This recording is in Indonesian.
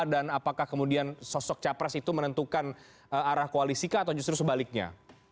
dan apakah kemudian sosok capres itu menentukan arah koalisika atau justru sebaliknya